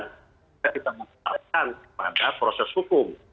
kita memperbaikkan pada proses hukum